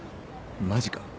マジか。